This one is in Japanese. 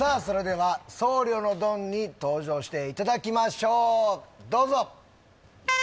それでは僧侶のドンに登場していただきましょうどうぞ！